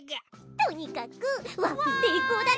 とにかくワープせいこうだね！